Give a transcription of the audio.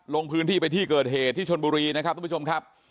ลงพื้นที่ไปที่เกิดเหตุที่ชนบุรีนะครับทุกผู้ชมครับ